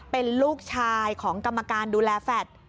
เป็นลูกชายของกรรมการดูแลแฟลต